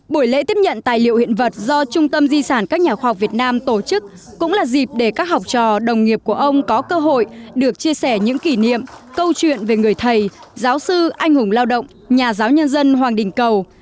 buổi lễ tiếp nhận tài liệu hiện vật do trung tâm di sản các nhà khoa học việt nam tổ chức cũng là dịp để các học trò đồng nghiệp của ông có cơ hội được chia sẻ những kỷ niệm câu chuyện về người thầy giáo sư anh hùng lao động nhà giáo nhân dân hoàng đình cầu